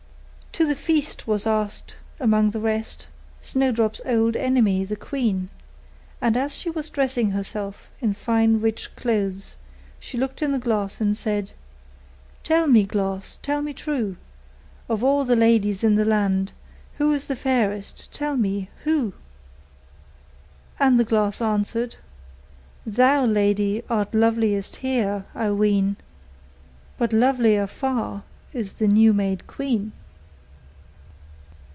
To the feast was asked, among the rest, Snowdrop's old enemy the queen; and as she was dressing herself in fine rich clothes, she looked in the glass and said: 'Tell me, glass, tell me true! Of all the ladies in the land, Who is fairest, tell me, who?' And the glass answered: 'Thou, lady, art loveliest here, I ween; But lovelier far is the new made queen.